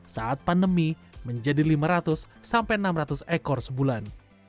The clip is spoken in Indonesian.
saat pandemi menjadi lima ratus sampai enam ratus ekor sebulan